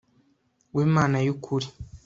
we Mana y ukuri